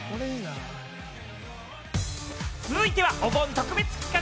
続いてはお盆特別企画。